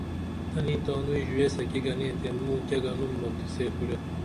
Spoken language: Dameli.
تنی تانوئی ژویس کی گنے تے موکیہ گُنم بہ تو سے کُرے